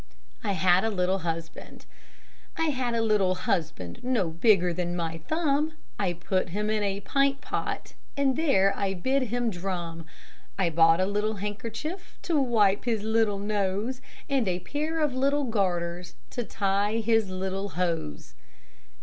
I HAD A LITTLE HUSBAND I had a little husband no bigger than my thumb, I put him in a pint pot, and there I bid him drum, I bought a little handkerchief to wipe his little nose, And a pair of little garters to tie his little hose.